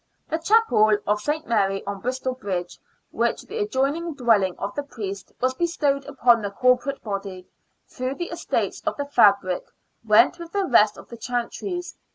The Chapel of St. Mary on Bristol Bridge, with the adjoining dwelling of the priest, was bestowed upon the corporate b(^dy, though the estates of the fabric went with the rest of the chantries.